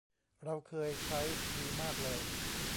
เราเคยใช้ดีมากเลย